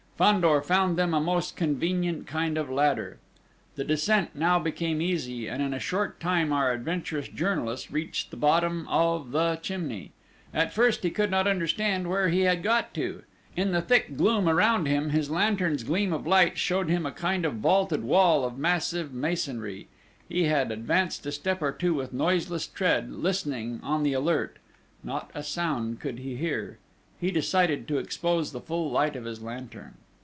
Fandor found them a most convenient kind of ladder. The descent now became easy, and in a short time our adventurous journalist reached the bottom of the chimney. At first he could not understand where he had got to. In the thick gloom around him his lantern's gleam of light showed him a kind of vaulted wall of massive masonry. He advanced a step or two with noiseless tread, listening, on the alert. Not a sound could he hear: he decided to expose the full light of his lantern.